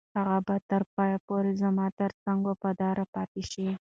هغه به تر پایه پورې زما تر څنګ وفاداره پاتې شي.